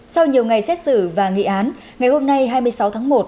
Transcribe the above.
sau nhiều ngày xét xử và nghị án ngày hôm nay hai mươi sáu tháng một